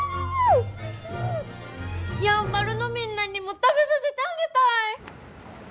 やんばるのみんなにも食べさせてあげたい！